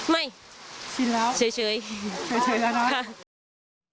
ไม่เฉยเฉยแล้วนะครับค่ะค่ะชินแล้ว